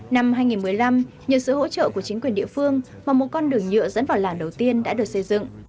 năm hai nghìn một mươi năm nhờ sự hỗ trợ của chính quyền địa phương mà một con đường nhựa dẫn vào làng đầu tiên đã được xây dựng